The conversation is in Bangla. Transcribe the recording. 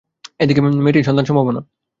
এ দিকে মেয়েটির সন্তান-সম্ভাবনা।